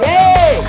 terima kasih pak